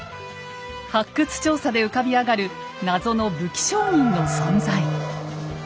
発掘調査で浮かび上がる謎の武器商人の存在。